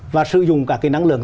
và sử dụng cả cái năng lượng